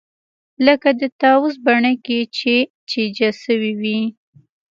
لکه د طاووس بڼکې چې چجه سوې وي.